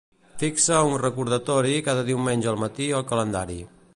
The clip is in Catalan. Fixa un recordatori cada diumenge al matí al calendari.